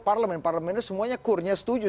parlemen parlemennya semuanya kurnya setuju